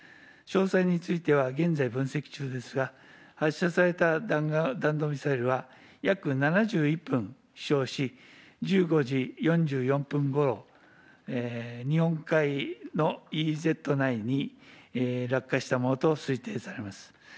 詳細については現在、分析中ですが、発射された弾道ミサイルは約７１分飛しょうし、１５時４４分ごろ、日本海のＥＥＺ内に落下したものと推定されます。